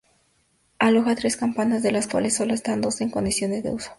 Aloja tres campanas, de las cuales solo dos están en condiciones de uso.